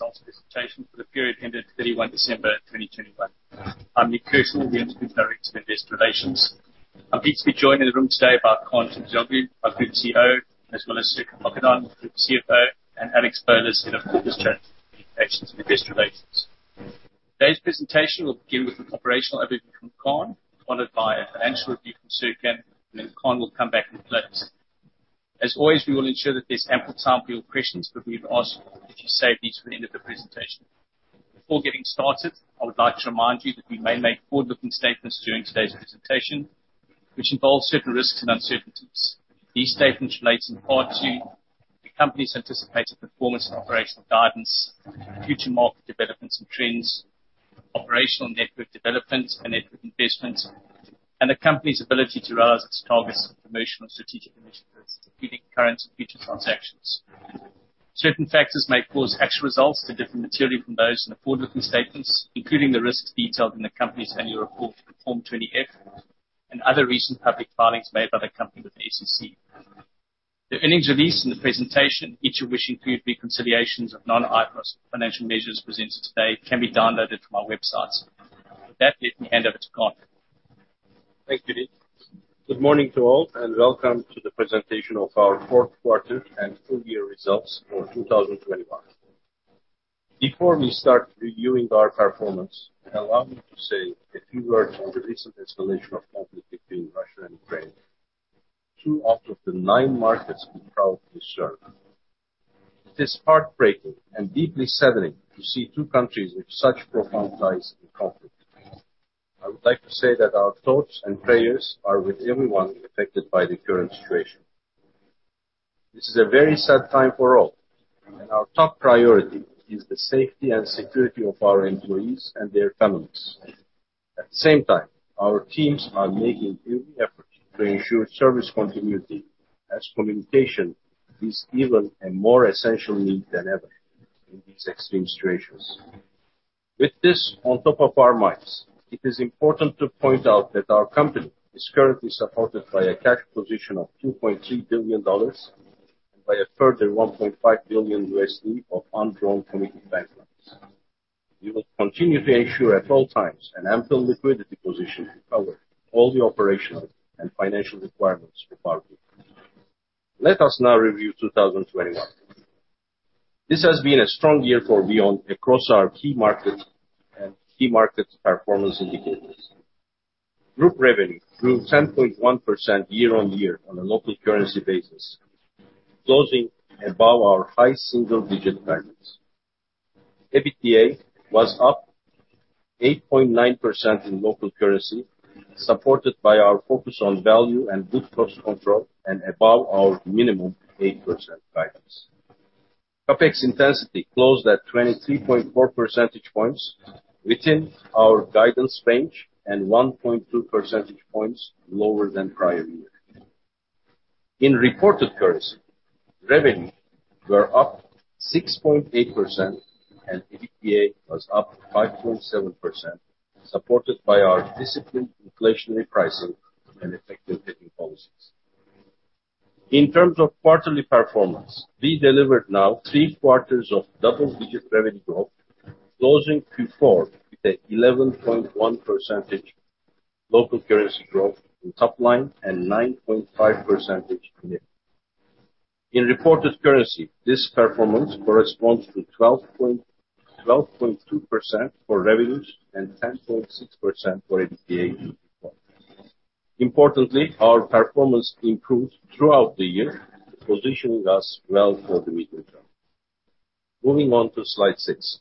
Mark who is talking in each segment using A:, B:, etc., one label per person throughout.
A: Results presentation for the period ended 31 December 2021. I'm Nick Kershaw, VEON's Group Director of Investor Relations. I'm pleased to be joined in the room today by Kaan Terzioğlu, our Group CEO, as well as Serkan Okandan, our Group CFO, and Alex Kazbegi, Head of Group Strategy, Communications and Investor Relations. Today's presentation will begin with an operational overview from Kaan, followed by a financial review from Serkan, and then Kaan will come back with closing. As always, we will ensure that there's ample time for your questions, but we would ask that you save these for the end of the presentation. Before getting started, I would like to remind you that we may make forward-looking statements during today's presentation, which involve certain risks and uncertainties. These statements relate in part to the company's anticipated performance and operational guidance, future market developments and trends, operational network developments and network investments, and the company's ability to realize its targets for promotional and strategic initiatives, including current and future transactions. Certain factors may cause actual results to differ materially from those in the forward-looking statements, including the risks detailed in the company's annual report for Form 20-F and other recent public filings made by the company with the SEC. The earnings release and the presentation, each of which include reconciliations of non-IFRS financial measures presented today, can be downloaded from our website. With that, let me hand over to Kaan.
B: Thank you, Nick. Good morning to all, and welcome to the presentation of our fourth quarter and full year results for 2021. Before we start reviewing our performance, allow me to say a few words on the recent escalation of conflict between Russia and Ukraine, 2 out of the 9 markets we proudly serve. It is heartbreaking and deeply saddening to see two countries with such profound ties in conflict. I would like to say that our thoughts and prayers are with everyone affected by the current situation. This is a very sad time for all, and our top priority is the safety and security of our employees and their families. At the same time, our teams are making every effort to ensure service continuity as communication is even a more essential need than ever in these extreme situations. With this on top of our minds, it is important to point out that our company is currently supported by a cash position of $2.3 billion and by a further $1.5 billion of undrawn committed bank loans. We will continue to ensure at all times an ample liquidity position to cover all the operational and financial requirements of our group. Let us now review 2021. This has been a strong year for VEON across our key markets and key market performance indicators. Group revenue grew 10.1% year-on-year on a local currency basis, closing above our high single-digit guidance. EBITDA was up 8.9% in local currency, supported by our focus on value and good cost control and above our minimum 8% guidance. CapEx intensity closed at 23.4 percentage points within our guidance range and 1.2 percentage points lower than prior year. In reported currency, revenue were up 6.8% and EBITDA was up 5.7%, supported by our disciplined inflationary pricing and effective hedging policies. In terms of quarterly performance, we delivered now three quarters of double-digit revenue growth, closing Q4 with 11.1% local currency growth in top line and 9.5% in EBITDA. In reported currency, this performance corresponds to 12.2% for revenues and 10.6% for EBITDA. Importantly, our performance improved throughout the year, positioning us well for the medium term. Moving on to slide six.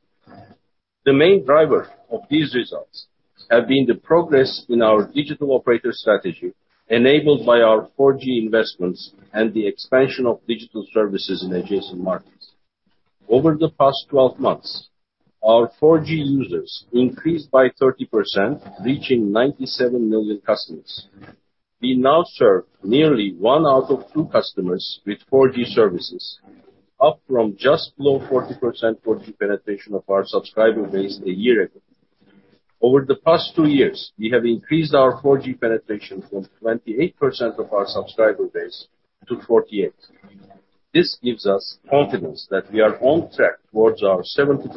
B: The main driver of these results have been the progress in our digital operator strategy enabled by our 4G investments and the expansion of digital services in adjacent markets. Over the past 12 months, our 4G users increased by 30%, reaching 97 million customers. We now serve nearly one out of two customers with 4G services, up from just below 40% 4G penetration of our subscriber base a year ago. Over the past two years, we have increased our 4G penetration from 28% of our subscriber base to 48%. This gives us confidence that we are on track towards our 70%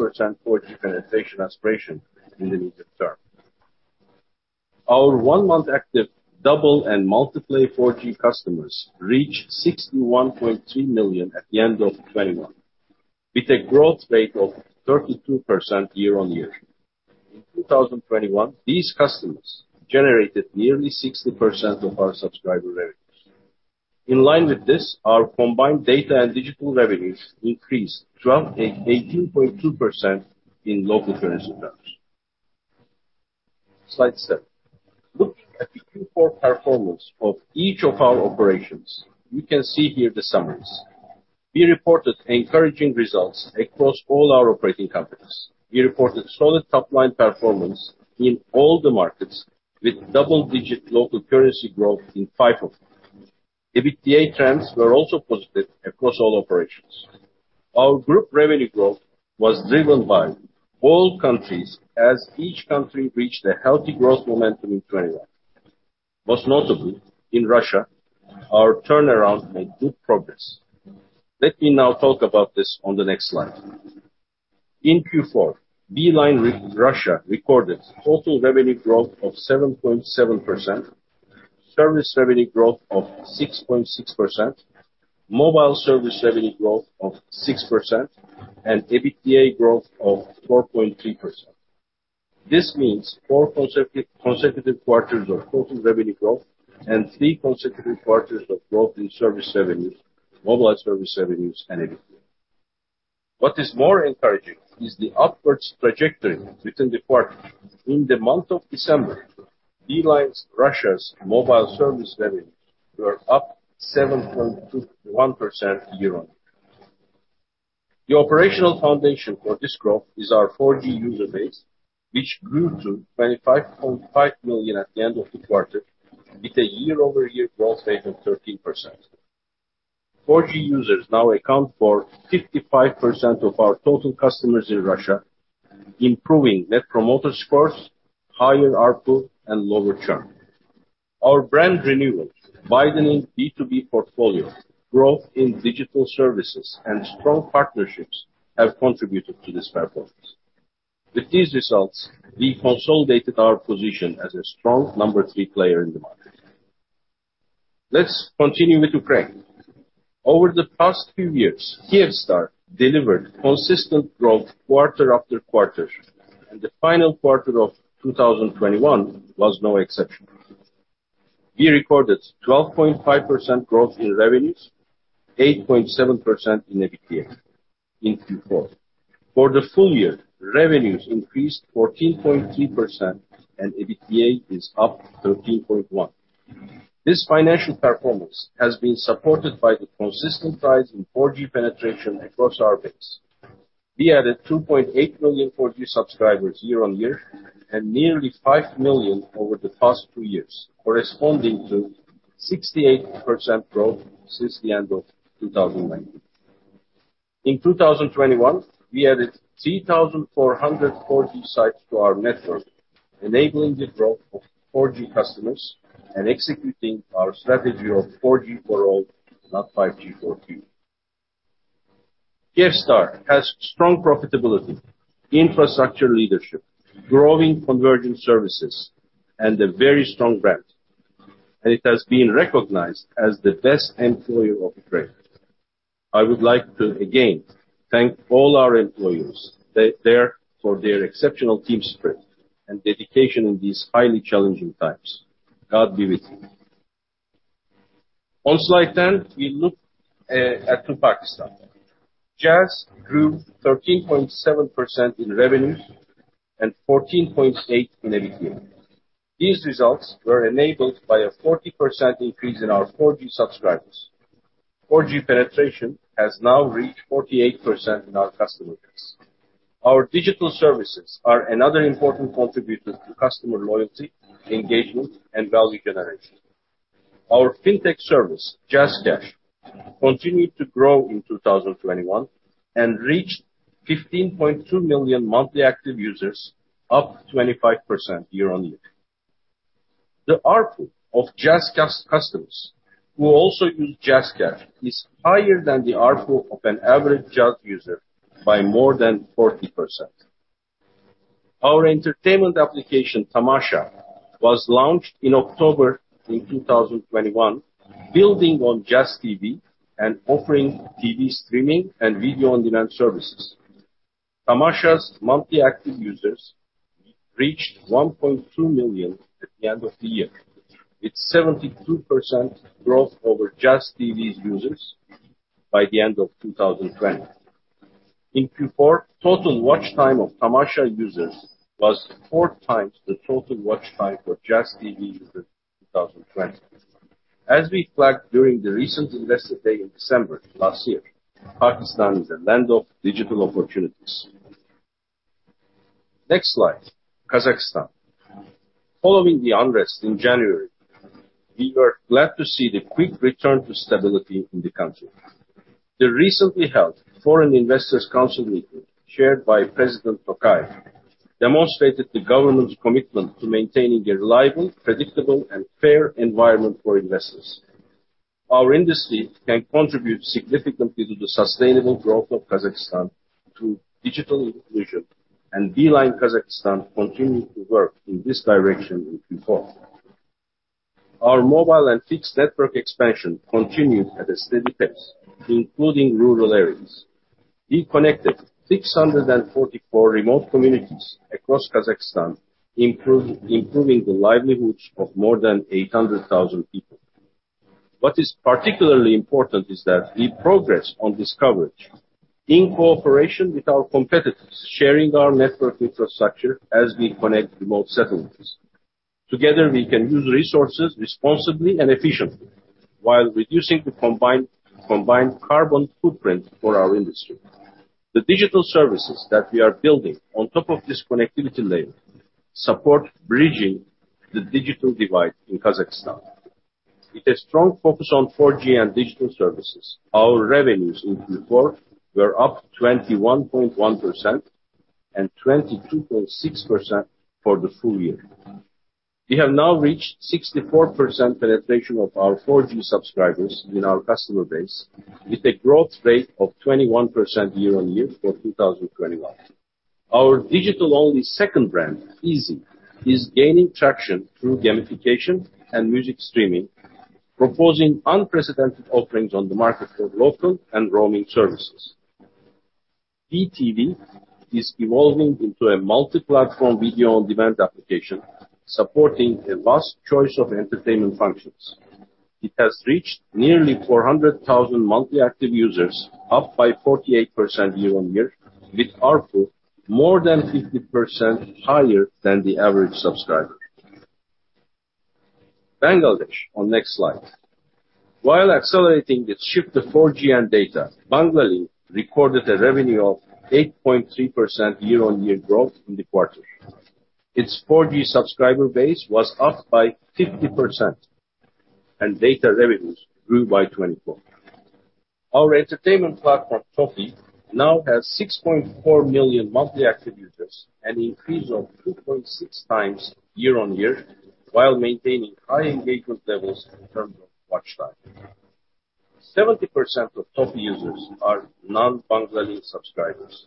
B: 4G penetration aspiration in the medium term. Our one-month active double and multi-play 4G customers reached 61.3 million at the end of 2021, with a growth rate of 32% year-on-year. In 2021, these customers generated nearly 60% of our subscriber revenues. In line with this, our combined data and digital revenues increased 12%-18.2% in local currency terms. Slide 7. Looking at the Q4 performance of each of our operations, you can see here the summaries. We reported encouraging results across all our operating companies. We reported solid top line performance in all the markets with double-digit local currency growth in five of them. EBITDA trends were also positive across all operations. Our group revenue growth was driven by all countries as each country reached a healthy growth momentum in 2021. Most notably, in Russia, our turnaround made good progress. Let me now talk about this on the next slide. In Q4, Beeline Russia recorded total revenue growth of 7.7%, service revenue growth of 6.6%, mobile service revenue growth of 6%, and EBITDA growth of 4.3%. This means four consecutive quarters of total revenue growth and three consecutive quarters of growth in service revenues, mobile service revenues, and EBITDA. What is more encouraging is the upward trajectory within the quarter. In the month of December, Beeline Russia's mobile service revenues were up 7.21% year-on-year. The operational foundation for this growth is our 4G user base, which grew to 25.5 million at the end of the quarter, with a year-over-year growth rate of 13%. 4G users now account for 55% of our total customers in Russia, improving Net Promoter Scores, higher ARPU, and lower churn. Our brand renewal, widening B2B portfolio, growth in digital services, and strong partnerships have contributed to this performance. With these results, we consolidated our position as a strong number 3 player in the market. Let's continue with Ukraine. Over the past few years, Kyivstar delivered consistent growth quarter after quarter, and the final quarter of 2021 was no exception. We recorded 12.5% growth in revenues, 8.7% in EBITDA in Q4. For the full year, revenues increased 14.3%, and EBITDA is up 13.1%. This financial performance has been supported by the consistent rise in 4G penetration across our base. We added 2.8 million 4G subscribers year-on-year, and nearly 5 million over the past two years, corresponding to 68% growth since the end of 2019. In 2021, we added 3,400 4G sites to our network, enabling the growth of 4G customers and executing our strategy of 4G for all, not 5G for few. Kyivstar has strong profitability, infrastructure leadership, growing convergent services, and a very strong brand. It has been recognized as the best employer of Ukraine. I would like to again thank all our employees there for their exceptional team spirit and dedication in these highly challenging times. God be with you. On slide 10, we look at to Pakistan. Jazz grew 13.7% in revenues and 14.8% in EBITDA. These results were enabled by a 40% increase in our 4G subscribers. 4G penetration has now reached 48% in our customer base. Our digital services are another important contributor to customer loyalty, engagement, and value generation. Our fintech service, JazzCash, continued to grow in 2021 and reached 15.2 million monthly active users, up 25% year-on-year. The ARPU of JazzCash customers who also use JazzCash is higher than the ARPU of an average Jazz user by more than 40%. Our entertainment application, Tamasha, was launched in October 2021, building on Jazz TV and offering TV streaming and video on demand services. Tamasha's monthly active users reached 1.2 million at the end of the year. It's 72% growth over Jazz TV's users by the end of 2020. In Q4, total watch time of Tamasha users was 4x the total watch time for Jazz TV users in 2020. As we flagged during the recent Investor Day in December last year, Pakistan is a land of digital opportunities. Next slide, Kazakhstan. Following the unrest in January, we were glad to see the quick return to stability in the country. The recently held Foreign Investors Council meeting, chaired by President Tokayev, demonstrated the government's commitment to maintaining a reliable, predictable, and fair environment for investors. Our industry can contribute significantly to the sustainable growth of Kazakhstan through digital inclusion, and Beeline Kazakhstan continued to work in this direction in Q4. Our mobile and fixed network expansion continued at a steady pace, including rural areas. We connected 644 remote communities across Kazakhstan, improving the livelihoods of more than 800,000 people. What is particularly important is that we progress on this coverage in cooperation with our competitors, sharing our network infrastructure as we connect remote settlements. Together, we can use resources responsibly and efficiently while reducing the combined carbon footprint for our industry. The digital services that we are building on top of this connectivity layer support bridging the digital divide in Kazakhstan. With a strong focus on 4G and digital services, our revenues in Q4 were up 21.1% and 22.6% for the full year. We have now reached 64% penetration of our 4G subscribers in our customer base, with a growth rate of 21% year-on-year for 2021. Our digital-only second brand, izi, is gaining traction through gamification and music streaming, proposing unprecedented offerings on the market for local and roaming services. PTV is evolving into a multi-platform video on demand application, supporting a vast choice of entertainment functions. It has reached nearly 400,000 monthly active users, up by 48% year-on-year, with ARPU more than 50% higher than the average subscriber. Bangladesh on next slide. While accelerating its shift to 4G and data, Banglalink recorded a revenue of 8.3% year-on-year growth in the quarter. Its 4G subscriber base was up by 50%, and data revenues grew by 24%. Our entertainment platform, Toffee, now has 6.4 million monthly active users, an increase of 2.6 times year-on-year, while maintaining high engagement levels in terms of watch time. 70% of Toffee users are non-Banglalink subscribers,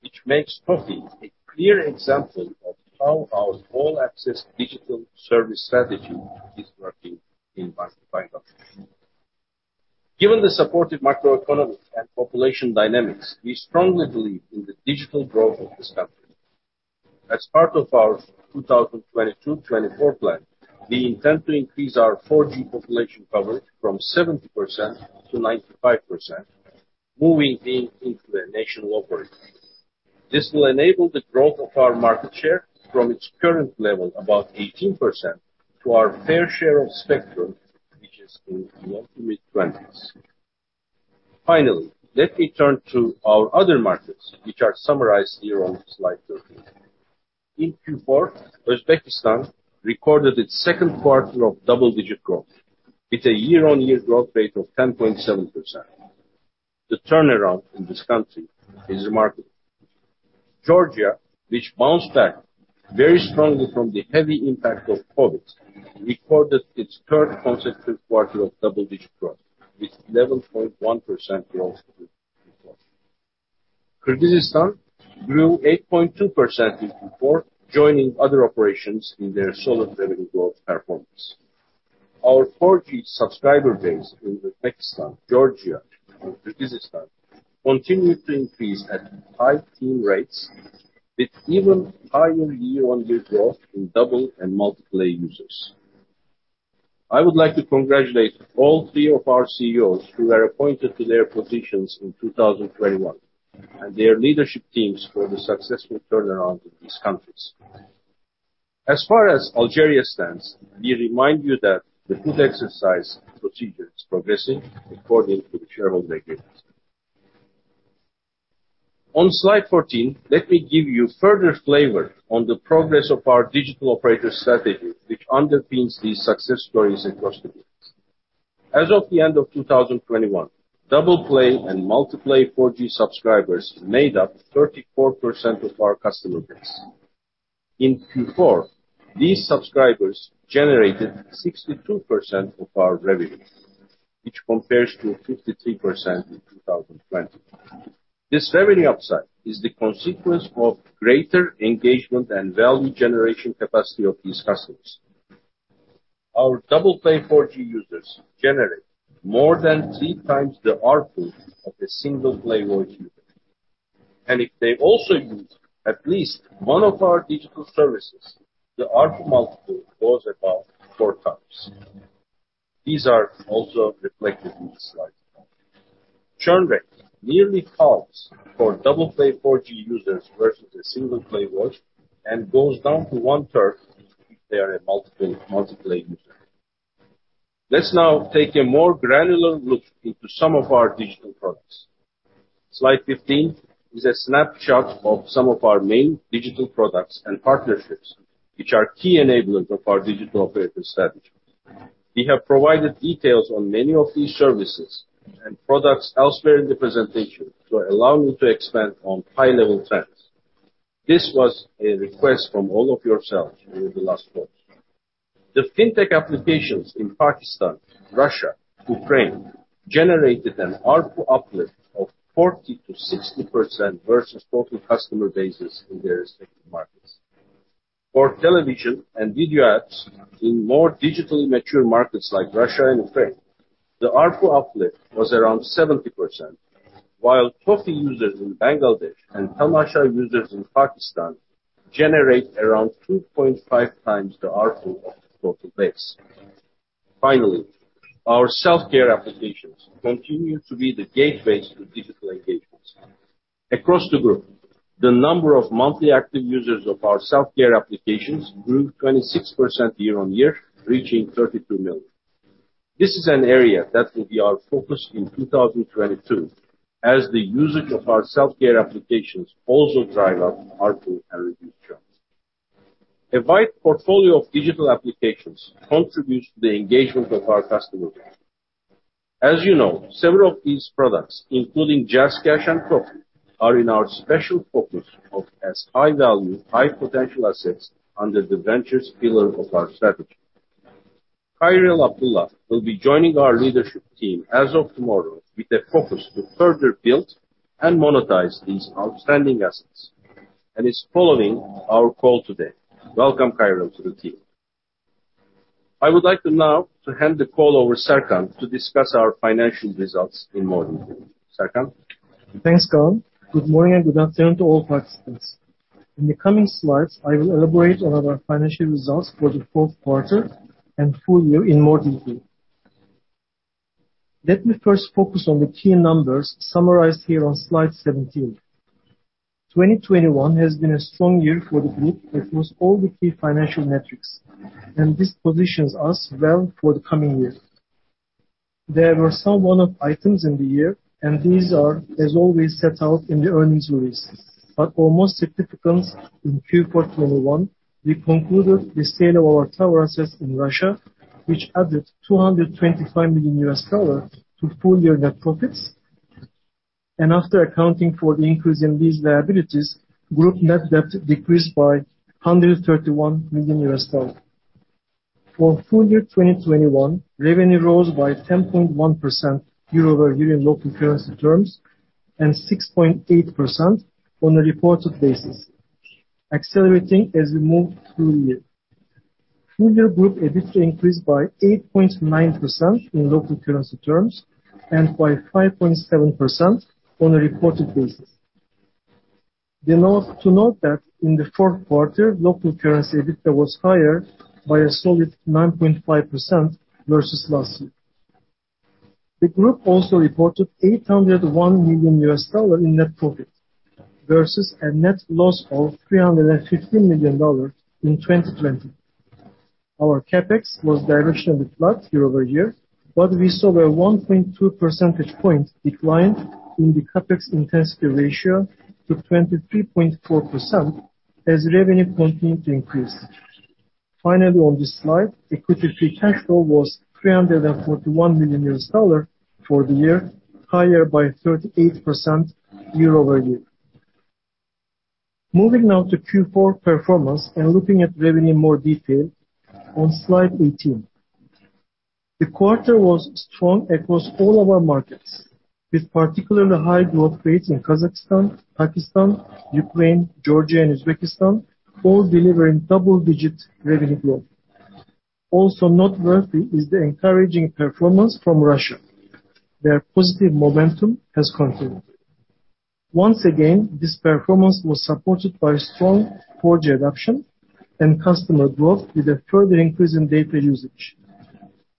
B: which makes Toffee a clear example of how our all-access digital service strategy is working in Bangladesh. Given the supportive macroeconomy and population dynamics, we strongly believe in the digital growth of this country. As part of our 2022/2024 plan, we intend to increase our 4G population coverage from 70% to 95%, moving VEON into a national operator. This will enable the growth of our market share from its current level, about 18%, to our fair share of spectrum, which is in the low to mid-20s. Finally, let me turn to our other markets, which are summarized here on slide 13. In Q4, Uzbekistan recorded its second quarter of double-digit growth, with a year-on-year growth rate of 10.7%. The turnaround in this country is remarkable. Georgia, which bounced back very strongly from the heavy impact of COVID, recorded its third consecutive quarter of double-digit growth, with 11.1% growth in Q4. Kyrgyzstan grew 8.2% in Q4, joining other operations in their solid revenue growth performance. Our 4G subscriber base in Uzbekistan, Georgia, and Kyrgyzstan continue to increase at high teen rates, with even higher year-on-year growth in double and multi-play users. I would like to congratulate all three of our CEOs who were appointed to their positions in 2021, and their leadership teams for the successful turnaround in these countries. As far as Algeria stands, we remind you that the put exercise procedure is progressing according to the shareholder agreement. On slide 14, let me give you further flavor on the progress of our digital operator strategy, which underpins these success stories across the groups. As of the end of 2021, double play and multi-play 4G subscribers made up 34% of our customer base. In Q4, these subscribers generated 62% of our revenue, which compares to 53% in 2020. This revenue upside is the consequence of greater engagement and value generation capacity of these customers. Our double play 4G users generate more than 3 times the ARPU of a single play voice user. If they also use at least one of our digital services, the ARPU multiple goes above 4 times. These are also reflected in the slide. Churn rate nearly halves for double play 4G users versus a single play voice, and goes down to one-third if they are a multi-play user. Let's now take a more granular look into some of our digital products. Slide 15 is a snapshot of some of our main digital products and partnerships, which are key enablers of our digital operator strategies. We have provided details on many of these services and products elsewhere in the presentation to allow you to expand on high-level trends. This was a request from all of yourselves over the last quarter. The fintech applications in Pakistan, Russia, Ukraine, generated an ARPU uplift of 40%-60% versus total customer bases in their respective markets. For television and video apps in more digitally mature markets like Russia and Ukraine, the ARPU uplift was around 70%, while Toffee users in Bangladesh and Tamasha users in Pakistan generate around 2.5 times the ARPU of the total base. Finally, our self-care applications continue to be the gateways to digital engagements. Across the group, the number of monthly active users of our self-care applications grew 26% year-over-year, reaching 32 million. This is an area that will be our focus in 2022, as the usage of our self-care applications also drive up ARPU and reduce churn. A wide portfolio of digital applications contributes to the engagement of our customers. As you know, several of these products, including JazzCash and Profi, are in our special focus as high-value, high-potential assets under the ventures pillar of our strategy. Khairil Abdullah will be joining our leadership team as of tomorrow with a focus to further build and monetize these outstanding assets, and is following our call today. Welcome, Khairil, to the team. I would like to now hand the call over to Serkan to discuss our financial results in more detail. Serkan?
C: Thanks, Kaan. Good morning and good afternoon to all participants. In the coming slides, I will elaborate on our financial results for the fourth quarter and full year in more detail. Let me first focus on the key numbers summarized here on slide 17. 2021 has been a strong year for the group across all the key financial metrics, and this positions us well for the coming year. There were some one-off items in the year, and these are, as always, set out in the earnings release. Of most significance, in Q4 2021, we concluded the sale of our tower assets in Russia, which added $225 million to full year net profits. After accounting for the increase in these liabilities, group net debt decreased by $131 million. For full year 2021, revenue rose by 10.1% year-over-year in local currency terms, and 6.8% on a reported basis, accelerating as we move through the year. Full year group EBITDA increased by 8.9% in local currency terms, and by 5.7% on a reported basis. Also to note that in the fourth quarter, local currency EBITDA was higher by a solid 9.5% versus last year. The group also reported $801 million in net profit versus a net loss of $350 million in 2020. Our CapEx was directionally flat year-over-year, but we saw a 1.2 percentage point decline in the CapEx intensity ratio to 23.4% as revenue continued to increase. Finally, on this slide, equity free cash flow was $341 million for the year, higher by 38% year-over-year. Moving now to Q4 performance and looking at revenue in more detail on slide 18. The quarter was strong across all of our markets, with particularly high growth rates in Kazakhstan, Pakistan, Ukraine, Georgia, and Uzbekistan, all delivering double-digit revenue growth. Also noteworthy is the encouraging performance from Russia, where positive momentum has continued. Once again, this performance was supported by strong 4G adoption and customer growth with a further increase in data usage.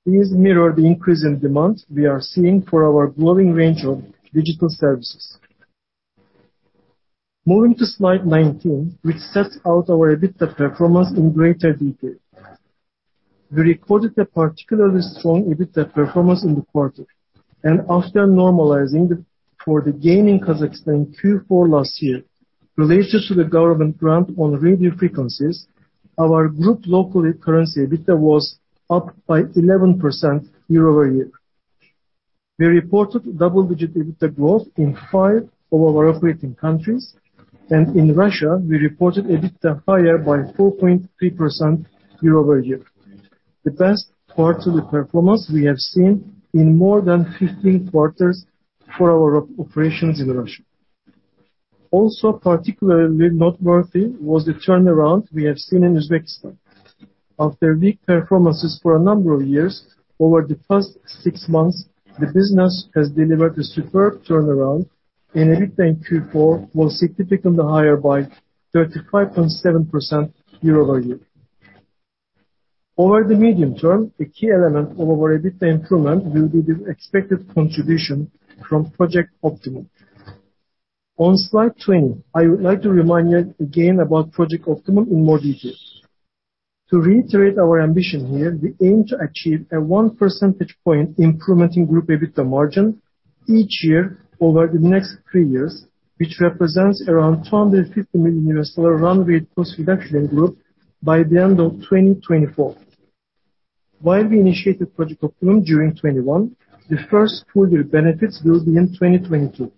C: These mirror the increase in demand we are seeing for our growing range of digital services. Moving to slide 19, which sets out our EBITDA performance in greater detail. We recorded a particularly strong EBITDA performance in the quarter. After normalizing for the gain in Kazakhstan in Q4 last year related to the government grant on radio frequencies, our group local currency EBITDA was up by 11% year-over-year. We reported double-digit EBITDA growth in 5 of our operating countries. In Russia, we reported EBITDA higher by 4.3% year-over-year. The best quarterly performance we have seen in more than 15 quarters for our operations in Russia. Also particularly noteworthy was the turnaround we have seen in Uzbekistan. After weak performances for a number of years, over the past 6 months, the business has delivered a superb turnaround, and EBITDA in Q4 was significantly higher by 35.7% year-over-year. Over the medium term, a key element of our EBITDA improvement will be the expected contribution from Project Optimum. On slide 20, I would like to remind you again about Project Optimum in more details. To reiterate our ambition here, we aim to achieve a 1 percentage point improvement in group EBITDA margin each year over the next three years, which represents around $250 million run rate cost reduction in group by the end of 2024. While we initiated Project Optimum during 2021, the first full year benefits will be in 2022.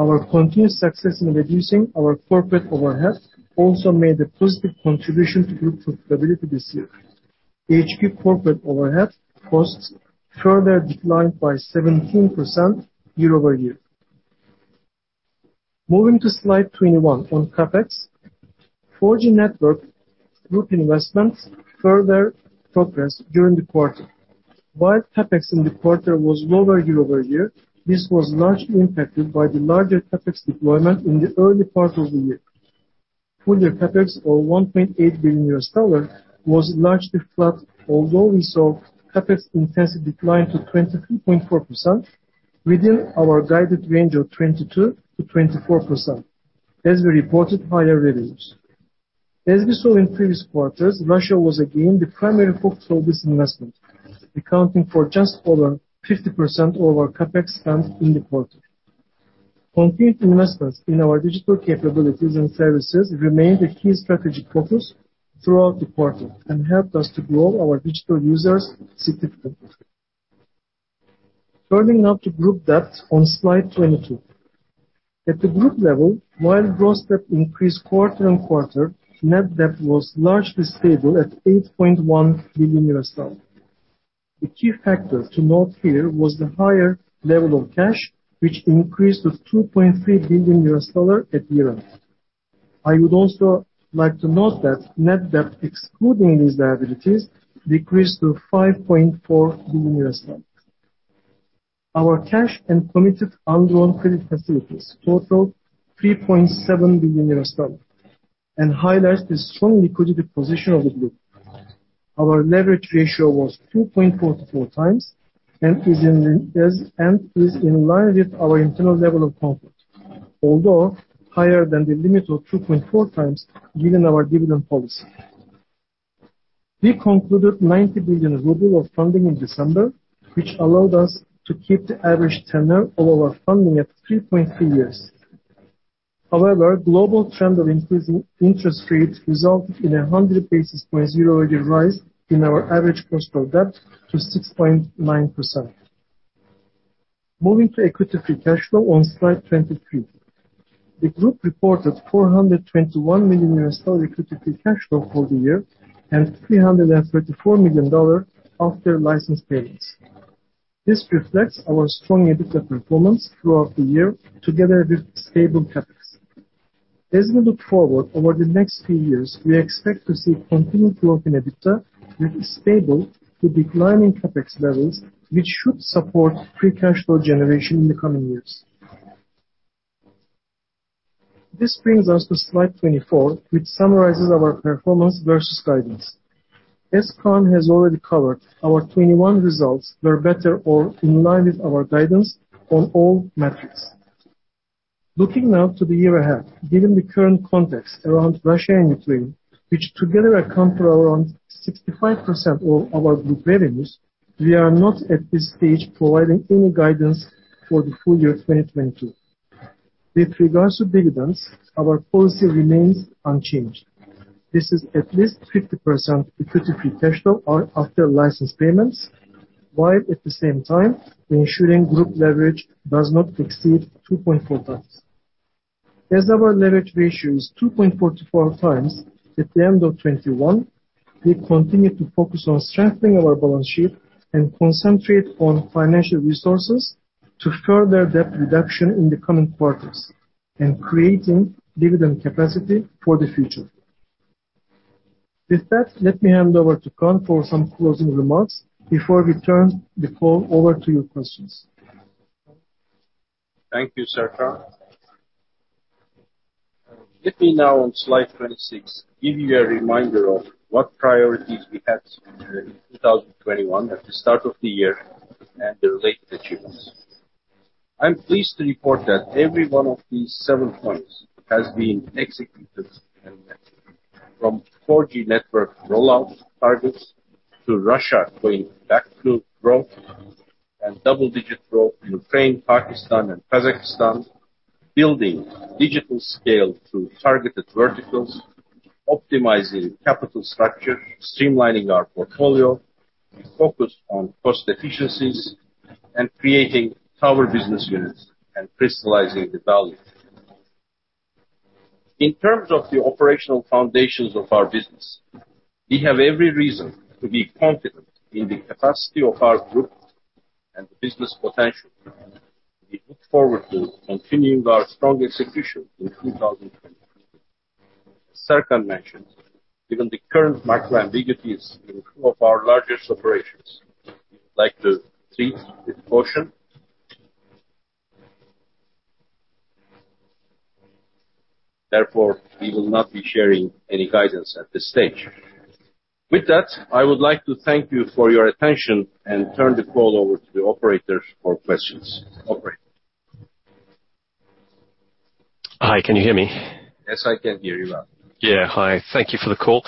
C: Our continued success in reducing our corporate overhead also made a positive contribution to group profitability this year. HQ corporate overhead costs further declined by 17% year-over-year. Moving to slide 21 on CapEx. 4G network group investments further progressed during the quarter. While CapEx in the quarter was lower year-over-year, this was largely impacted by the larger CapEx deployment in the early part of the year. Full year CapEx of $1.8 billion was largely flat, although we saw CapEx intensity decline to 22.4% within our guided range of 22%-24%, as we reported higher revenues. We saw in previous quarters, Russia was again the primary focus of this investment, accounting for just over 50% of our CapEx spend in the quarter. Continued investments in our digital capabilities and services remain the key strategic focus throughout the quarter, and helped us to grow our digital users significantly. Turning now to group debt on slide 22. At the group level, while gross debt increased quarter on quarter, net debt was largely stable at $8.1 billion. The key factor to note here was the higher level of cash, which increased to $2.3 billion at year end. I would also like to note that net debt excluding these liabilities decreased to $5.4 billion. Our cash and committed undrawn credit facilities totaled $3.7 billion, and highlights the strong liquidity position of the group. Our leverage ratio was 2.44 times, and is in line with our internal level of comfort, although higher than the limit of 2.4 times, given our dividend policy. We concluded 90 billion rubles of funding in December, which allowed us to keep the average tenure of our funding at 3.3 years. However, global trend of increasing interest rates resulted in 100 basis points year-over-year rise in our average cost of debt to 6.9%. Moving to equity free cash flow on slide 23. The group reported $421 million equity free cash flow for the year, and $334 million after license payments. This reflects our strong EBITDA performance throughout the year together with stable CapEx. As we look forward over the next few years, we expect to see continued growth in EBITDA with stable to declining CapEx levels, which should support free cash flow generation in the coming years. This brings us to slide 24, which summarizes our performance versus guidance. As Kaan has already covered, our 2021 results were better or in line with our guidance on all metrics. Looking now to the year ahead, given the current context around Russia and Ukraine, which together account for around 65% of our group revenues, we are not at this stage providing any guidance for the full year 2022. With regards to dividends, our policy remains unchanged. This is at least 50% equity free cash flow of, after license payments, while at the same time ensuring group leverage does not exceed 2.4x. As our leverage ratio is 2.44x at the end of 2021, we continue to focus on strengthening our balance sheet and concentrate on financial resources to further debt reduction in the coming quarters, and creating dividend capacity for the future. With that, let me hand over to Kaan for some closing remarks before we turn the call over to your questions.
B: Thank you, Serkan. Let me now on slide 26 give you a reminder of what priorities we had in 2021 at the start of the year, and the related achievements. I'm pleased to report that every one of these seven points has been executed and met. From 4G network rollout targets to Russia going back to growth and double-digit growth in Ukraine, Pakistan and Kazakhstan. Building digital scale through targeted verticals, optimizing capital structure, streamlining our portfolio, focused on cost efficiencies, and creating tower business units and crystallizing the value. In terms of the operational foundations of our business, we have every reason to be confident in the capacity of our group and the business potential. We look forward to continuing our strong execution in 2022. Serkan mentioned, given the current market ambiguities in two of our largest operations, we would like to treat with caution. Therefore, we will not be sharing any guidance at this stage. With that, I would like to thank you for your attention and turn the call over to the operator for questions. Operator?
D: Hi, can you hear me?
B: Yes, I can hear you well.
D: Yeah. Hi. Thank you for the call.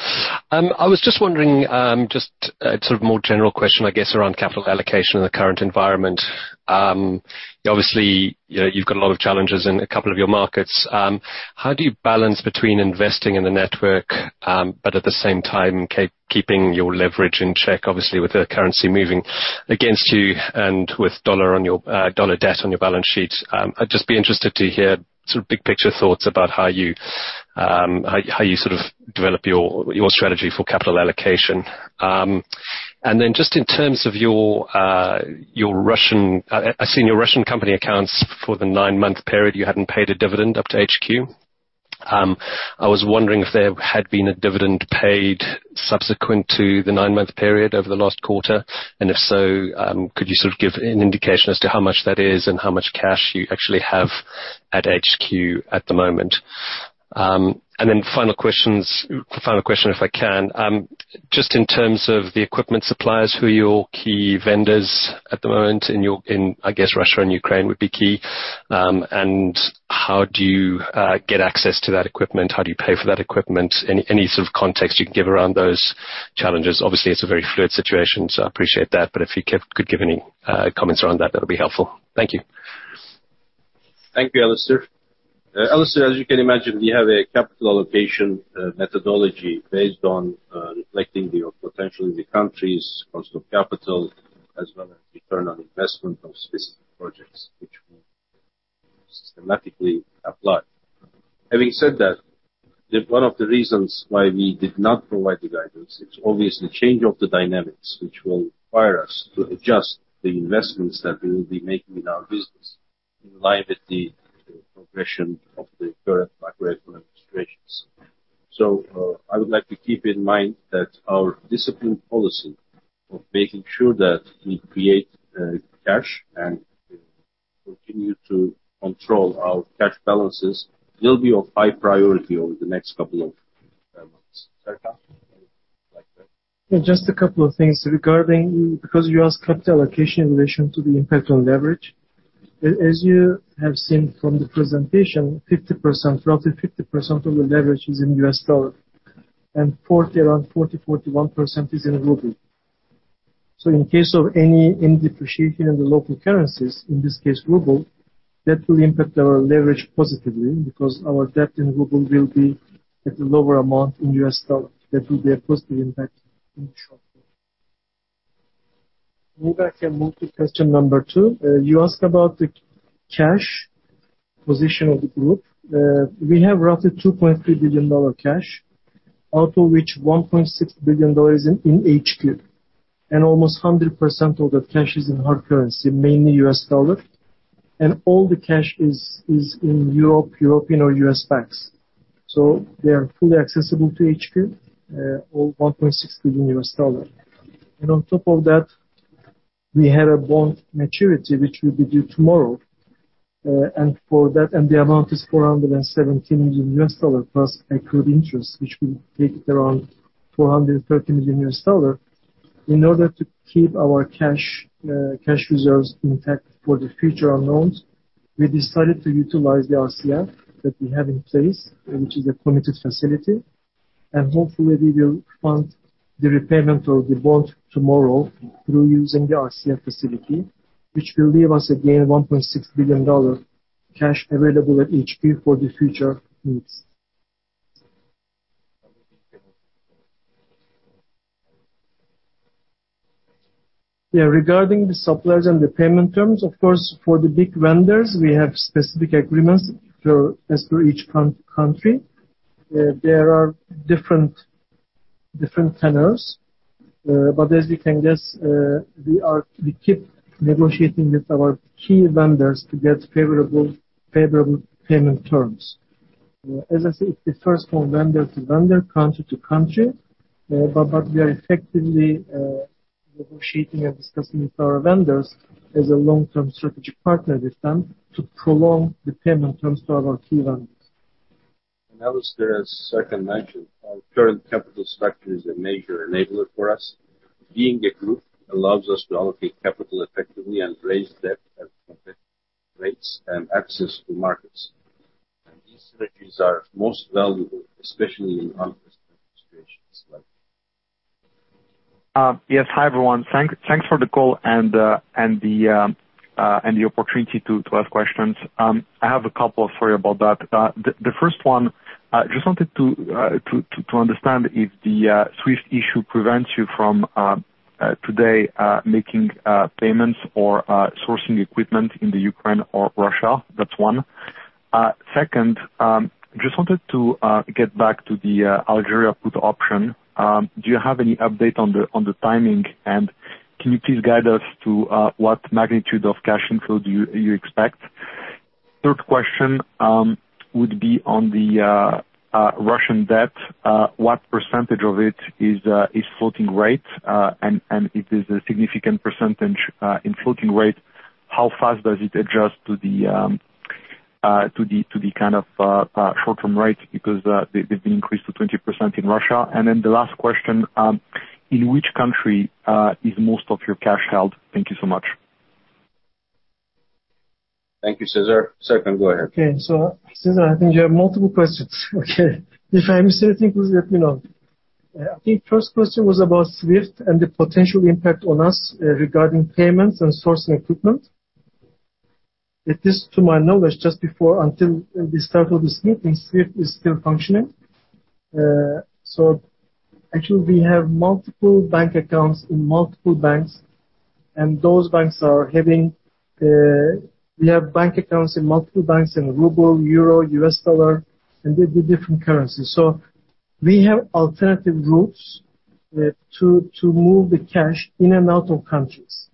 D: I was just wondering, just a sort of more general question, I guess, around capital allocation in the current environment. Obviously, you know, you've got a lot of challenges in a couple of your markets. How do you balance between investing in the network, but at the same time keeping your leverage in check, obviously with the currency moving against you and with dollar debt on your balance sheet? I'd just be interested to hear sort of big picture thoughts about how you develop your strategy for capital allocation. Just in terms of your Russian company, I've seen the accounts for the nine-month period. You hadn't paid a dividend up to Q3. I was wondering if there had been a dividend paid subsequent to the nine-month period over the last quarter, and if so, could you sort of give an indication as to how much that is and how much cash you actually have at HQ at the moment? And then final question if I can, just in terms of the equipment suppliers, who are your key vendors at the moment in your, in I guess Russia and Ukraine would be key, and how do you get access to that equipment? How do you pay for that equipment? Any sort of context you can give around those challenges. Obviously, it's a very fluid situation, so I appreciate that. But if you could give any comments around that'll be helpful. Thank you.
B: Thank you, Alistair. Alistair, as you can imagine, we have a capital allocation methodology based on reflecting the potential in the countries, cost of capital, as well as return on investment of specific projects which we systematically apply. Having said that, one of the reasons why we did not provide the guidance is obviously change of the dynamics, which will require us to adjust the investments that we will be making in our business in line with the progression of the current regulatory registrations. I would like to keep in mind that our disciplined policy of making sure that we create cash and continue to control our cash balances will be of high priority over the next couple of months. Serkan like that.
C: Yeah, just a couple of things regarding, because you asked capital allocation in relation to the impact on leverage. As you have seen from the presentation, roughly 50% of the leverage is in US dollar, and around 40-41% is in ruble. In case of any depreciation in the local currencies, in this case ruble, that will impact our leverage positively because our debt in ruble will be at a lower amount in US dollar. That will be a positive impact in the short term. Move back and move to question number 2. You asked about the cash position of the group. We have roughly $2.3 billion cash, out of which $1.6 billion in HQ. Almost 100% of that cash is in hard currency, mainly US dollar. All the cash is in Europe, European or U.S. banks. They are fully accessible to HQ, $1.6 billion. On top of that, we had a bond maturity, which will be due tomorrow. The amount is $417 million, plus accrued interest, which will take it around $430 million. In order to keep our cash reserves intact for the future unknowns, we decided to utilize the RCF that we have in place, which is a permitted facility. Hopefully we will fund the repayment of the bond tomorrow through using the RCF facility, which will leave us again $1.6 billion cash available at HQ for the future needs. Yeah, regarding the suppliers and the payment terms, of course, for the big vendors, we have specific agreements as to each country. There are different tenors. As you can guess, we keep negotiating with our key vendors to get favorable payment terms. As I said, it differs from vendor to vendor, country to country. We are effectively negotiating and discussing with our vendors as a long-term strategic partner with them to prolong the payment terms to our key vendors.
B: Alistair, as Serkan mentioned, our current capital structure is a major enabler for us. Being a group allows us to allocate capital effectively and raise debt at competitive rates and access to markets. These synergies are most valuable, especially in unprecedented situations like this.
E: Yes. Hi, everyone. Thanks for the call and the opportunity to ask questions. I have a couple for you about that. The first one, just wanted to understand if the SWIFT issue prevents you from today making payments or sourcing equipment in Ukraine or Russia. That's one. Second, just wanted to get back to the Algeria put option. Do you have any update on the timing? And can you please guide us to what magnitude of cash inflow do you expect? Third question would be on the Russian debt. What percentage of it is floating rate? And if there's a significant percentage in floating rate, how fast does it adjust to the kind of short-term rate because they've been increased to 20% in Russia. Then the last question, in which country is most of your cash held? Thank you so much.
B: Thank you, César. Serkan, go ahead.
C: Cesar, I think you have multiple questions. If I miss anything, please let me know. I think first question was about SWIFT and the potential impact on us regarding payments and sourcing equipment. It is to my knowledge, until the start of the SWIFT, and SWIFT is still functioning. Actually we have multiple bank accounts in multiple banks in ruble, euro, U.S. dollar, and with the different currencies. We have alternative routes to move the cash in and out of countries.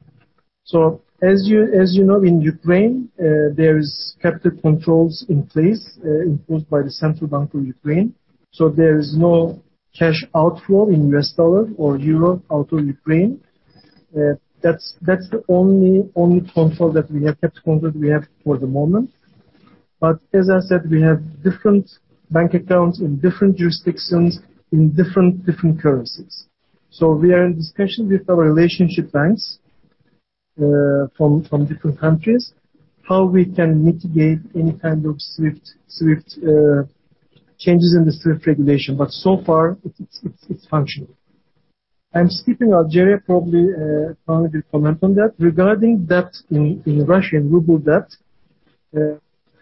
C: As you know, in Ukraine, there is capital controls in place imposed by the National Bank of Ukraine. There is no cash outflow in U.S. dollar or euro out of Ukraine. That's the only capital control that we have for the moment. We have different bank accounts in different jurisdictions in different currencies. We are in discussion with our relationship banks from different countries how we can mitigate any kind of SWIFT changes in the SWIFT regulation. So far, it's functioning. I'm skipping Algeria, probably somebody will comment on that. Regarding debt in Russian ruble debt.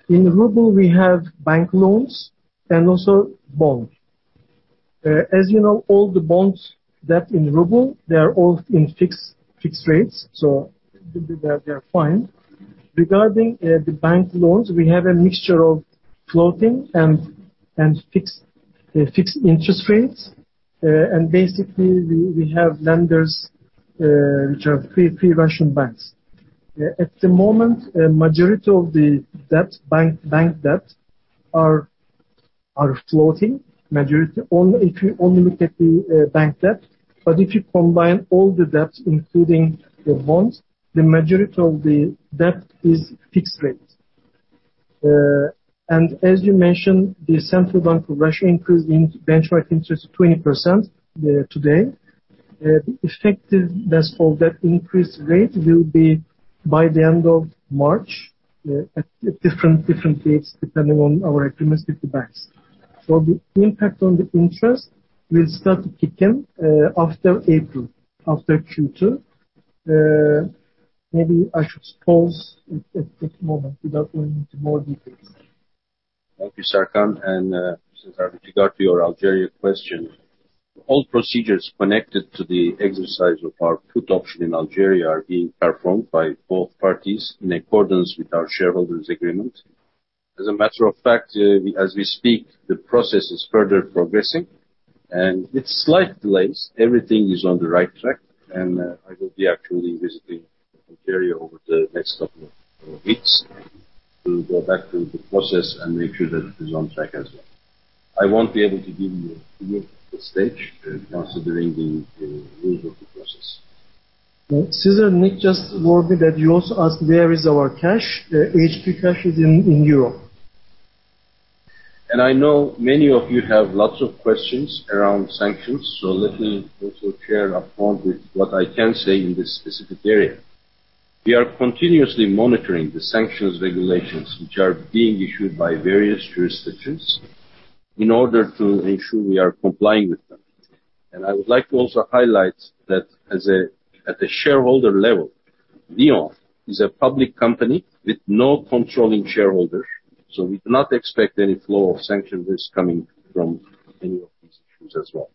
C: In ruble we have bank loans and also bond. As you know, all the bonds debt in ruble, they are all in fixed rates, so they are fine. Regarding the bank loans, we have a mixture of floating and fixed interest rates. Basically we have lenders which are three Russian banks. At the moment, a majority of the bank debt are floating. If you only look at the bank debt. If you combine all the debts including the bonds, the majority of the debt is fixed rate. As you mentioned, the Central Bank of Russia increased its benchmark interest 20% today. The effective date for that increased rate will be by the end of March at different dates, depending on our agreements with the banks. The impact on the interest will start to kick in after April, after Q2. Maybe I should pause at the moment without going into more details.
B: Thank you, Serkan. César, with regard to your Algeria question. All procedures connected to the exercise of our put option in Algeria are being performed by both parties in accordance with our shareholders' agreement. As a matter of fact, as we speak, the process is further progressing. With slight delays, everything is on the right track. I will be actually visiting Algeria over the next couple of weeks to go back to the process and make sure that it is on track as well. I won't be able to give you at this stage, considering the rules of the process.
C: César, Nick just warned me that you also asked where is our cash. HQ cash is in Europe.
B: I know many of you have lots of questions around sanctions, so let me also share upfront with what I can say in this specific area. We are continuously monitoring the sanctions regulations which are being issued by various jurisdictions in order to ensure we are complying with them. I would like to also highlight that at the shareholder level, VEON is a public company with no controlling shareholder. We do not expect any flow of sanctions risk coming from any of these issues as well.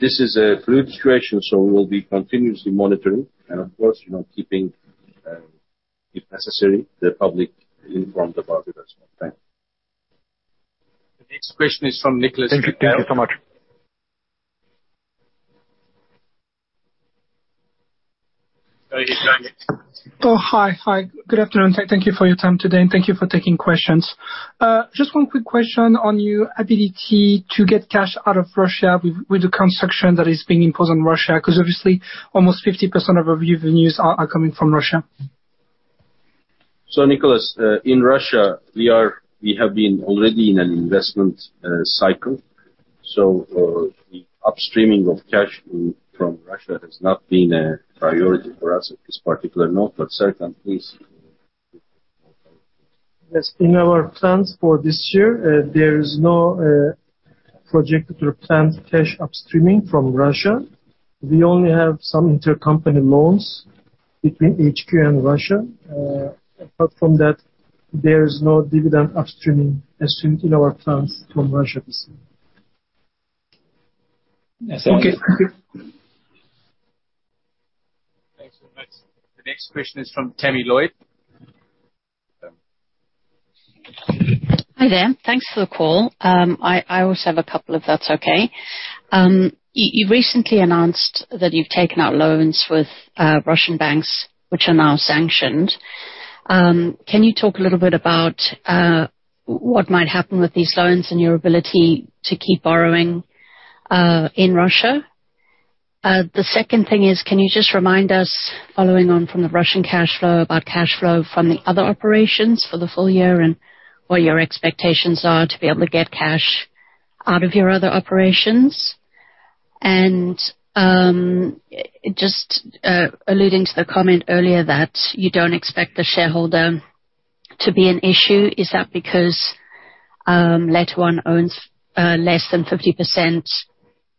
B: This is a fluid situation, so we will be continuously monitoring and, of course, you know, keeping, if necessary, the public informed about it as well. Thank you.
A: The next question is from Nicholas.
F: Thank you. Thank you so much. Oh, hi. Hi, good afternoon. Thank you for your time today, and thank you for taking questions. Just one quick question on your ability to get cash out of Russia with the sanctions that are being imposed on Russia, because obviously almost 50% of your revenues are coming from Russia.
B: Nicholas, in Russia we have been already in an investment cycle. The upstreaming of cash from Russia has not been a priority for us at this particular point. Serkan, please.
C: Yes. In our plans for this year, there is no projected or planned cash upstreaming from Russia. We only have some intercompany loans between HQ and Russia. Apart from that, there is no dividend upstreaming assumed in our plans from Russia this year.
F: Okay. Thank you.
A: Thanks very much. The next question is from Tammy Lloyd.
G: Hi there. Thanks for the call. I also have a couple, if that's okay. You recently announced that you've taken out loans with Russian banks, which are now sanctioned. Can you talk a little bit about what might happen with these loans and your ability to keep borrowing in Russia? The second thing is, can you just remind us, following on from the Russian cash flow, about cash flow from the other operations for the full year and what your expectations are to be able to get cash out of your other operations? Just alluding to the comment earlier that you don't expect the shareholder to be an issue, is that because LetterOne owns less than 50%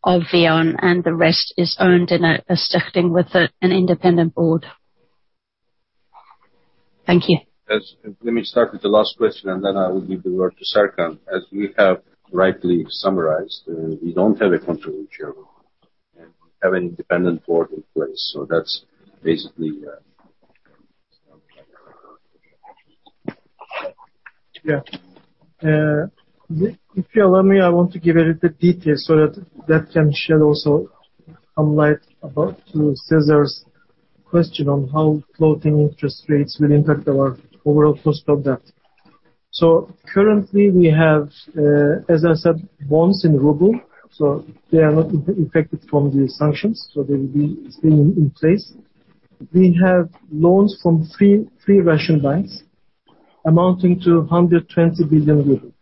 G: of VEON and the rest is owned in a shifting with an independent board? Thank you.
B: Yes. Let me start with the last question, and then I will give the word to Serkan. As we have rightly summarized, we don't have a controlling shareholder and we have an independent board in place. That's basically.
C: Yeah. If you allow me, I want to give a little bit detail so that that can shed also some light about to César's question on how floating interest rates will impact our overall cost of debt. Currently we have, as I said, bonds in ruble, so they are not affected from the sanctions, so they will be staying in place. We have loans from three Russian banks amounting to RUB 120 billion.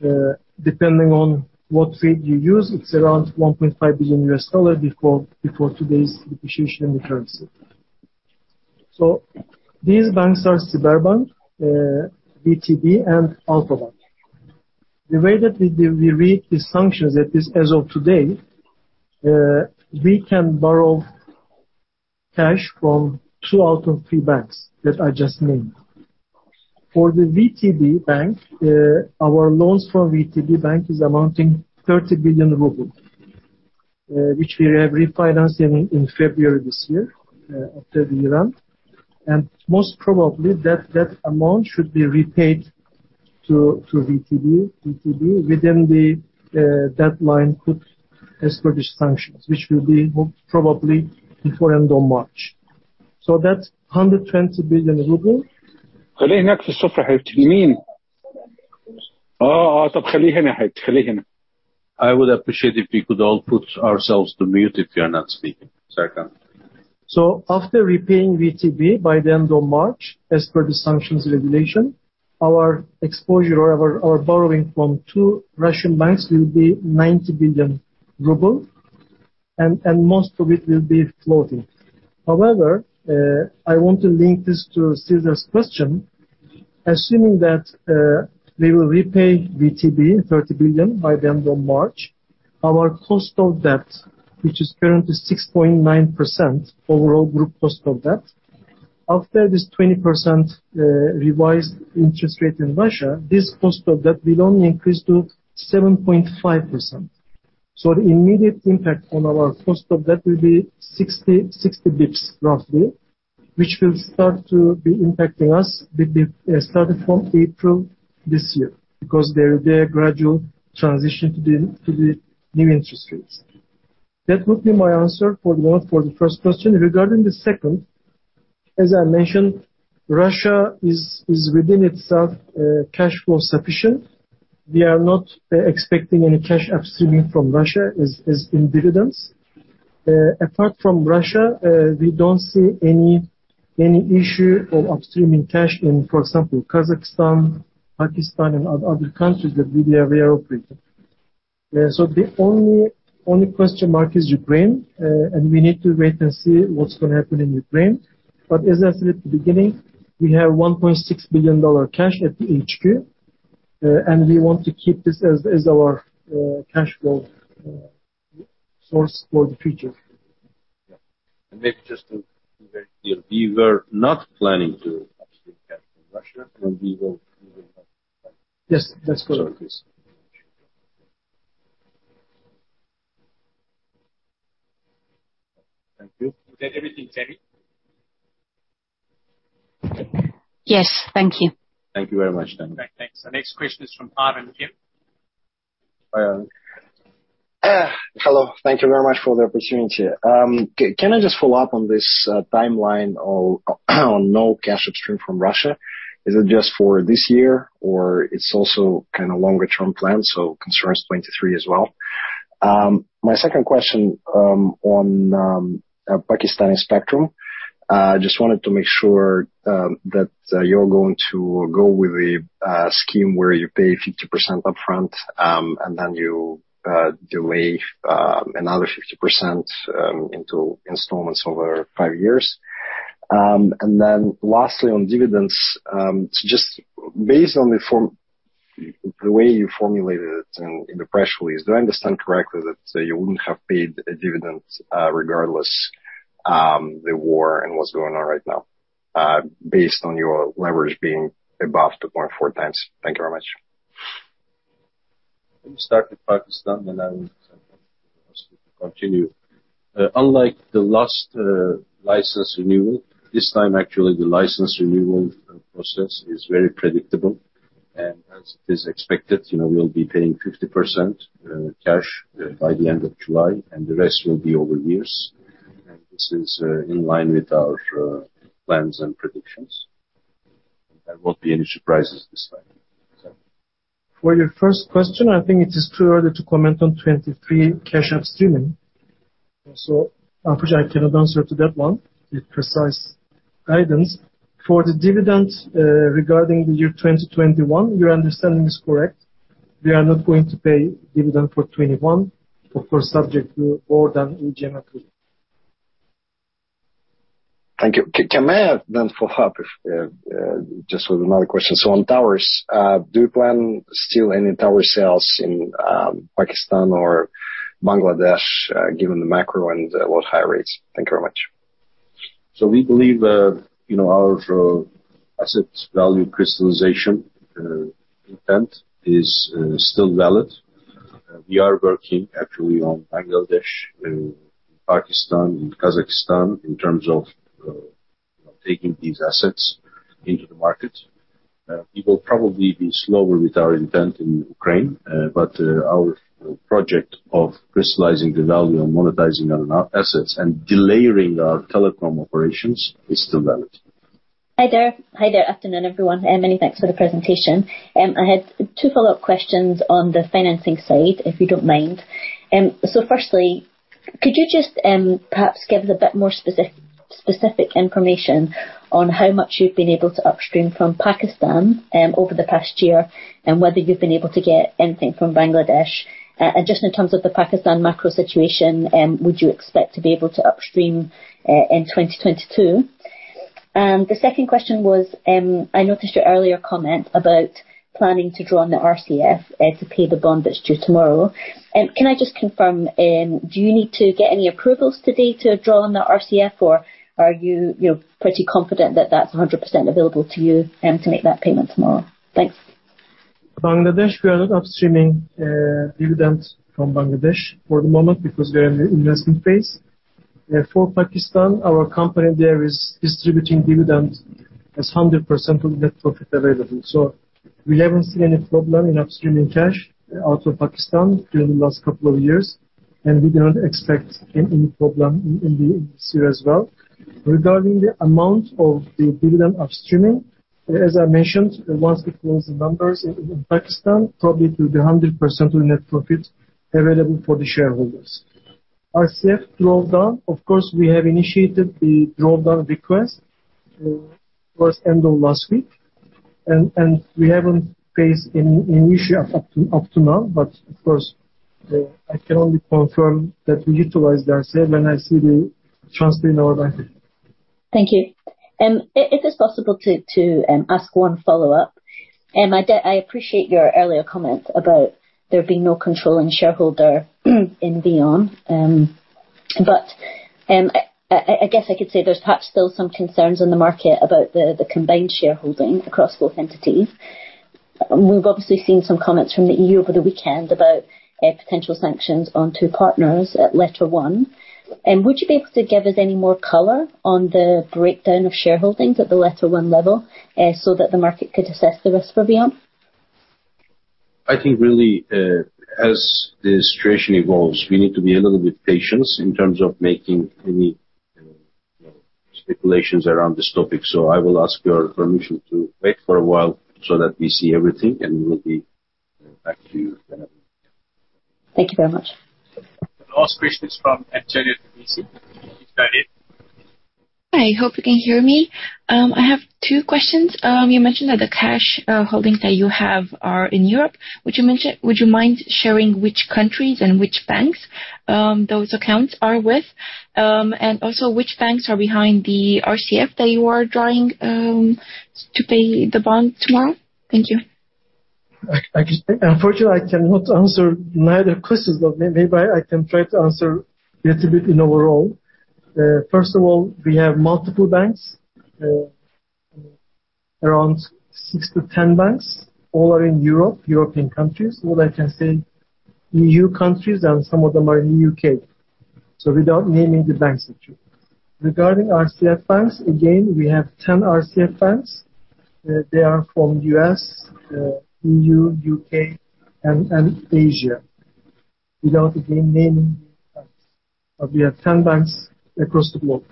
C: Depending on what rate you use, it's around $1.5 billion before today's depreciation in the currency. These banks are Sberbank, VTB, and Alfa-Bank. The way that we read these sanctions as of today, we can borrow cash from two out of three banks that I just named. For the VTB Bank, our loans from VTB Bank is amounting 30 billion rubles, which we have refinanced in February this year, after the invasion. Most probably that amount should be repaid to VTB within the deadline put as per the sanctions, which will be most probably before end of March. That's 120 billion rubles.
B: I would appreciate if we could all put ourselves on mute if we are not speaking. Sorry, go on.
C: After repaying VTB by the end of March, as per the sanctions regulation, our borrowing from two Russian banks will be 90 billion rubles, and most of it will be floating. However, I want to link this to César's question. Assuming that we will repay VTB 30 billion by the end of March, our cost of debt, which is currently 6.9% overall group cost of debt, after this 20% revised interest rate in Russia, will only increase to 7.5%. The immediate impact on our cost of debt will be 60 basis points roughly, which will start to be impacting us starting from April this year, because there will be a gradual transition to the new interest rates. That would be my answer for one—for the first question. Regarding the second, as I mentioned, Russia is within itself cash flow sufficient. We are not expecting any cash upstreaming from Russia as in dividends. Apart from Russia, we don't see any issue of upstreaming cash in, for example, Kazakhstan, Pakistan and other countries that we are aware operating. So the only question mark is Ukraine. And we need to wait and see what's gonna happen in Ukraine. As I said at the beginning, we have $1.6 billion cash at the HQ, and we want to keep this as our cash flow source for the future.
B: Maybe just to be very clear, we were not planning to upstream cash from Russia and we will not.
C: Yes, that's correct.
B: Thank you. Is that everything, Tammy?
A: Yes. Thank you.
B: Thank you very much, Tammy.
A: Okay, thanks. The next question is from Tae Heung Kim.
H: Hi. Hello. Thank you very much for the opportunity. Can I just follow up on this, timeline of no cash upstream from Russia? Is it just for this year or it's also kinda longer term plan, so concerns 2023 as well? My second question, on Pakistani spectrum. Just wanted to make sure that you're going to go with a scheme where you pay 50% upfront, and then you delay another 50% into installments over five years. And then lastly, on dividends, just based on the way you formulated it in the press release, do I understand correctly that, say, you wouldn't have paid a dividend, regardless, the war and what's going on right now, based on your leverage being above 2.4 times? Thank you very much.
B: Let me start with Pakistan, then I will continue. Unlike the last license renewal, this time actually the license renewal process is very predictable. As it is expected, you know, we'll be paying 50% cash by the end of July, and the rest will be over years. This is in line with our plans and predictions. There won't be any surprises this time. Cem.
C: For your first question, I think it is too early to comment on 2023 cash upstream. I'm afraid I cannot answer to that one with precise guidance. For the dividend, regarding the year 2021, your understanding is correct. We are not going to pay dividend for 2021. Of course, subject to board and AGM approval.
H: Thank you. Can I then follow up if, just with another question. On towers, do you plan still any tower sales in Pakistan or Bangladesh, given the macro and a lot higher rates? Thank you very much.
B: We believe, you know, our asset value crystallization intent is still valid. We are working actually on Bangladesh and Pakistan and Kazakhstan in terms of taking these assets into the market. It will probably be slower with our intent in Ukraine, but our project of crystallizing the value and monetizing our assets and delayering our telecom operations is still valid.
I: Hi there. Afternoon, everyone, and many thanks for the presentation. I had two follow-up questions on the financing side, if you don't mind. So firstly, could you just perhaps give a bit more specific information on how much you've been able to upstream from Pakistan over the past year and whether you've been able to get anything from Bangladesh. Just in terms of the Pakistan macro situation, would you expect to be able to upstream in 2022? The second question was, I noticed your earlier comment about planning to draw on the RCF and to pay the bond that's due tomorrow. Can I just confirm, do you need to get any approvals today to draw on the RCF, or are you know, pretty confident that that's 100% available to you, to make that payment tomorrow? Thanks.
C: Bangladesh, we are not upstreaming dividends from Bangladesh for the moment because we are in the investment phase. For Pakistan, our company there is distributing dividends as 100% of net profit available. We haven't seen any problem in upstreaming cash out of Pakistan during the last couple of years, and we do not expect any problem in the year as well. Regarding the amount of the dividend upstreaming, as I mentioned, once we close the numbers in Pakistan, probably it will be 100% of the net profit available for the shareholders. RCF draw down, of course, we have initiated the draw down request at the end of last week. We haven't faced any issue up to now. Of course, I can only confirm that we utilized the RCF when I see the funds in our bank.
I: Thank you. If it's possible to ask one follow-up. I appreciate your earlier comment about there being no controlling shareholder in VEON. I guess I could say there's perhaps still some concerns on the market about the combined shareholding across both entities. We've obviously seen some comments from the EU over the weekend about potential sanctions on two partners at LetterOne. Would you be able to give us any more color on the breakdown of shareholdings at the LetterOne level so that the market could assess the risk for VEON?
C: I think really, as the situation evolves, we need to be a little bit patient in terms of making any, speculations around this topic. I will ask your permission to wait for a while so that we see everything, and we will be back to you then.
I: Thank you very much.
A: The last question is from Angelica D'Agostino. Is that it?
J: Hi. Hope you can hear me. I have two questions. You mentioned that the cash holdings that you have are in Europe. Would you mind sharing which countries and which banks those accounts are with? Also, which banks are behind the RCF that you are drawing to pay the bond tomorrow? Thank you.
C: I can. Unfortunately, I cannot answer either questions, but maybe I can try to answer a little bit overall. First of all, we have multiple banks, around 6-10 banks. All are in Europe, European countries. All I can say EU countries, and some of them are in U.K. Without naming the banks of Europe. Regarding RCF banks, again, we have 10 RCF banks. They are from U.S., EU, U.K., and Asia. Without again naming the banks. We have 10 banks across the globe.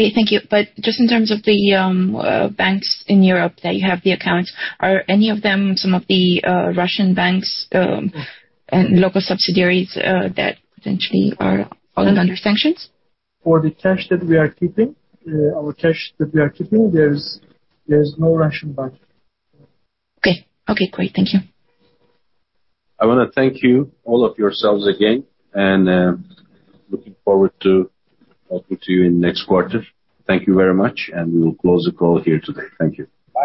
J: Okay. Thank you. Just in terms of the banks in Europe that you have the accounts, are any of them some of the Russian banks and local subsidiaries that potentially are all under sanctions?
C: For our cash that we are keeping, there is no Russian bank.
J: Okay. Okay, great. Thank you.
C: I wanna thank you all of yourselves again, and looking forward to talking to you in next quarter. Thank you very much, and we will close the call here today. Thank you.